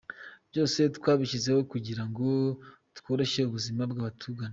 Byose twabishyizeho kugira ngo tworoshye ubuzima bw’abatugana.